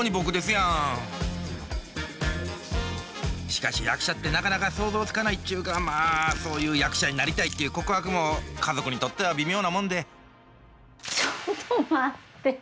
しかし役者ってなかなか想像つかないっちゅうかまあそういう役者になりたいっていう告白も家族にとっては微妙なもんでちょっと待って。